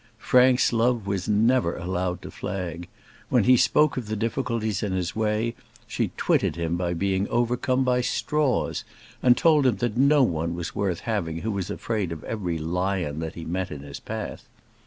Frank's love was never allowed to flag. When he spoke of the difficulties in his way, she twitted him by being overcome by straws; and told him that no one was worth having who was afraid of every lion that he met in his path.